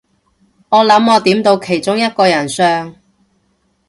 我諗我點到其中一個人相